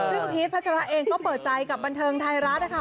ซึ่งพีชพัชระเองก็เปิดใจกับบันเทิงไทยรัฐนะคะ